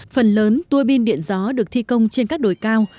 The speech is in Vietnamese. phần lớn tuôi bin điện gió được thi công trên các đồi cao